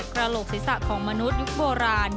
กระโหลกศีรษะของมนุษย์ยุคโบราณ